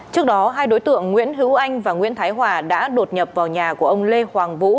trước đó hai đối tượng nguyễn hữu anh và nguyễn thái hòa đã đột nhập vào nhà của ông lê hoàng vũ